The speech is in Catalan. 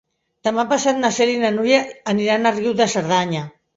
Demà passat na Cèlia i na Núria aniran a Riu de Cerdanya.